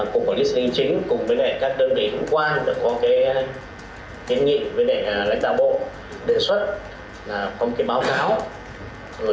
cục quản lý xử lý chính cùng với các đơn vị hữu quan đã có kiến nghị với lãnh đạo bộ